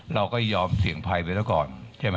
เราก็ยอมเสี่ยงภัยไปแล้วก่อน